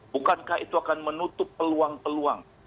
bukankah itu akan menutup peluang peluang